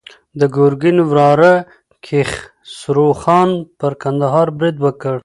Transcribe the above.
د ګرګین وراره کیخسرو خان پر کندهار برید وکړ.